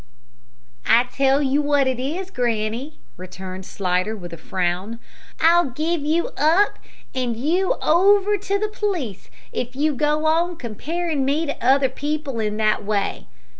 "I tell you what it is, granny," returned Slidder, with a frown, "I'll give you up an' 'and you over to the p'leece if you go on comparin' me to other people in that way.